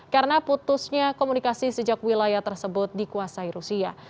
karena putusnya komunikasi sejak wilayah tersebut dikuasai rusia